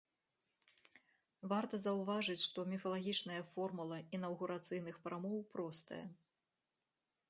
Варта заўважыць, што міфалагічная формула інаўгурацыйных прамоў простая.